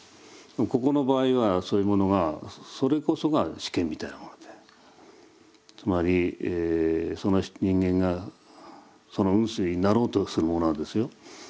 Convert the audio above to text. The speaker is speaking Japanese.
ここの場合はそういうものがそれこそが試験みたいなものでつまりその人間が雲水になろうとする者がですよ